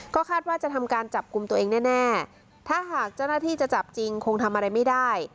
ก็คาดว่าจะทำการจับกลุ่มตัวเองแน่ถ้าหากเจ้าหน้าที่จะจับจริงคงทำอะไรไม่ได้